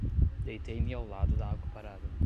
Deitei-me ao lado da água parada.